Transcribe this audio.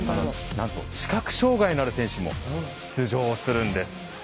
なんと視覚障害のある選手も出場するんです。